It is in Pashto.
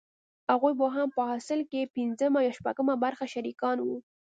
هغوې به هم په حاصل کښې پينځمه يا شپږمه برخه شريکان وو.